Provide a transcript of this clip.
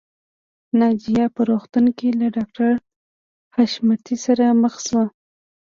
ناجیه په روغتون کې له ډاکټر حشمتي سره مخ شوه